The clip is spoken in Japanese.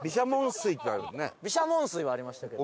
毘沙門水はありましたけど。